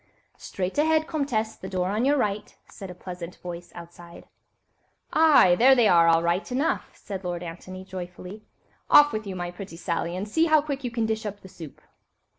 "Straight ahead, Comtesse, the door on your right," said a pleasant voice outside. "Aye! there they are, all right enough," said Lord Antony, joyfully; "off with you, my pretty Sally, and see how quickly you can dish up the soup."